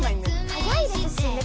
はやいですしね。